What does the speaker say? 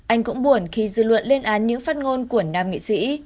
anh cũng buồn khi dư luận lên án những phát ngôn của nam nghị sĩ